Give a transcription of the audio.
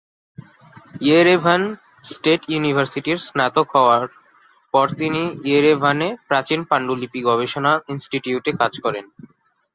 Yerevan state ইউনিভার্সিটির স্নাতক হওয়ার পর তিনি ইয়েরেভানে প্রাচীন পান্ডুলিপি গবেষণা ইনস্টিটিউটে কাজ করেন।